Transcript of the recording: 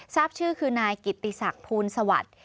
ทราบชื่อคือนายกิติศักดิ์ภูลสวัสดิ์